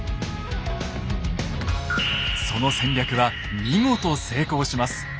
その戦略は見事成功します。